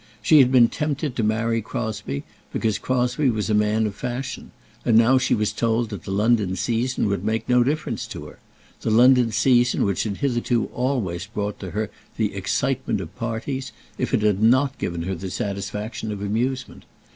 She had been tempted to marry Crosbie because Crosbie was a man of fashion, and now she was told that the London season would make no difference to her; the London season which had hitherto always brought to her the excitement of parties, if it had not given her the satisfaction of amusement.